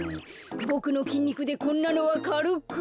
ボクのきんにくでこんなのはかるく。